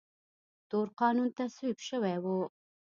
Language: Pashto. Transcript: تور قانون تصویب شوی و.